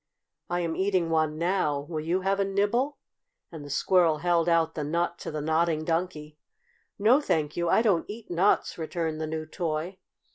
I am eating one now. Will you have a nibble?" and the squirrel held out the nut to the Nodding Donkey. "No, thank you; I don't eat nuts," returned the new toy.